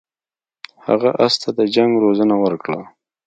هغه اس ته د جنګ روزنه ورکړه.